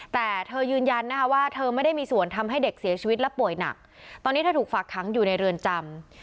แต่เธอยืนยันนะคะว่าเธอไม่ได้มีส่วนทำให้เด็กเสียชีวิตและป่วยหนักตอนนี้เธอถูกฝากขังอยู่ในเรือนจำ